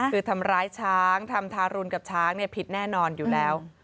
คือทำร้ายช้างทำทารุณกับช้างผิดแน่นอนอยู่แล้ว